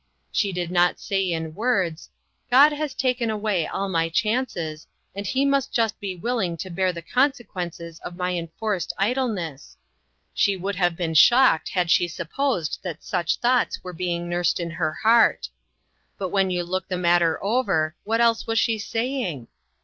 She did not say in words " God has taken away all my chances, and he must just be willing to bear the consequences of my enforced idleness;" she would have been shocked had she sup posed that such thoughts were being nursed in her heart ; but when you look the mat ter over, what else was she saying?